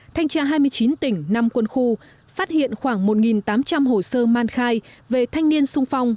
thanh tra hai mươi chín tỉnh năm quân khu phát hiện khoảng một tám trăm linh hồ sơ man khai về thanh niên sung phong